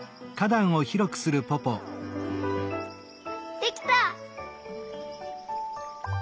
できた！